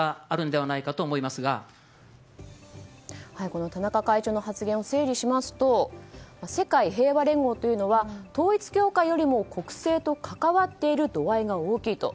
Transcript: この田中会長の発言を整理しますと世界平和連合というのは統一教会よりも国政と関わっている度合いが大きいと。